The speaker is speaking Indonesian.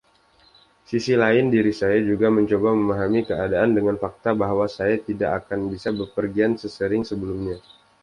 Sisi lain diri saya juga mencoba memahami keadaan dengan fakta bahwa saya tidak akan bisa berpergian sesering sebelumnya.